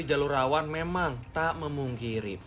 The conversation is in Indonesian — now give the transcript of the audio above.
tapi jalur awan memang tak memungkiri